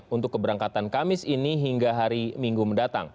untuk keberangkatan kamis ini hingga hari minggu mendatang